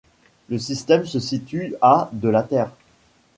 Le système se situe à de la Terre.